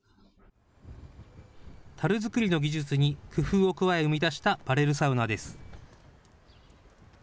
たる作りの技術に工夫を加え生み出したバレルサウナです。